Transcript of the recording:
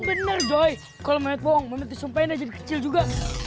bener doi kalau mewet bohong memet disumpahin aja kecil juga